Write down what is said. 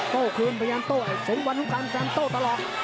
โต้คืนไปยันโต้สมวันทุกครั้งยันโต้ตลอก